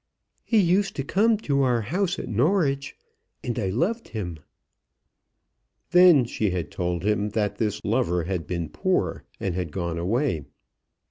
"He used to come to our house at Norwich, and I loved him." Then she had told him that this lover had been poor, and had gone away.